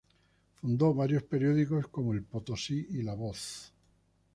Fundó varios periódicos, como "El Potosí" y "La Voz".